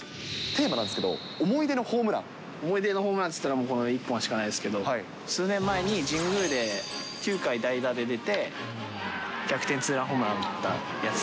テーマなんですけど、思い出思い出のホームランっていったら、この一本しかないですけど、数年前に神宮で９回代打で出て、逆転ツーランホームラン打ったやつ。